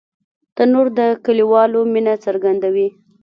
تنور د کلیوالو مینه څرګندوي